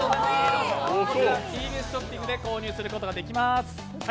こちらはＴＢＳショッピングで購入することができます。